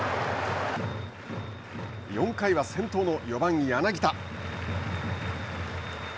４回は、先頭の４番柳田。